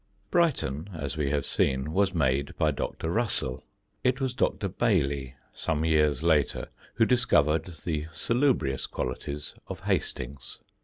Brighton, as we have seen, was made by Dr. Russell. It was Dr. Baillie, some years later, who discovered the salubrious qualities of Hastings.